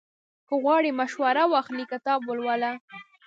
که غواړې مشوره واخلې، کتاب ولوله.